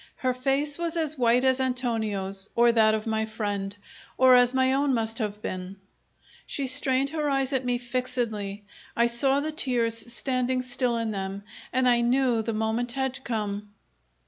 Her face was as white as Antonio's or that of my friend, or as my own must have been. She strained her eyes at me fixedly; I saw the tears standing still in them, and I knew the moment had come.